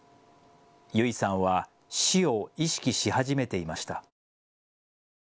優生さんは死を意識し始めていました。